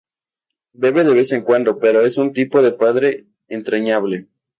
Bebe de vez en cuando, pero es un tipo de padre entrañable.